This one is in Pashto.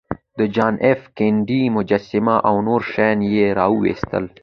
د جان ایف کینیډي مجسمه او نور شیان یې راویستل